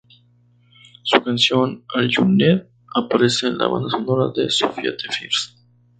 Su canción "All You Need" aparece en la banda sonora de "Sofia the First".